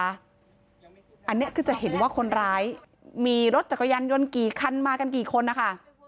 อันนี้คือจะเห็นว่าคนร้ายมีรถจักรยานยนต์กี่คันมากันกี่คนนะคะ